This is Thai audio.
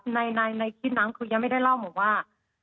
ในคลิปนั้นคือยังไม่ได้เล่าบอกว่า